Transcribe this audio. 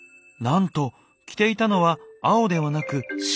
なんと着ていたのは青ではなく白い服。